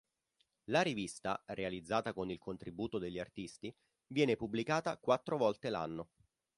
La rivista, realizzata con il contributo degli artisti, viene pubblicata quattro volte l'anno.